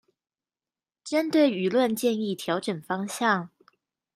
針對輿論建議調整方向